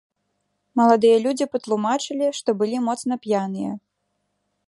Маладыя людзі патлумачылі, што былі моцна п'яныя.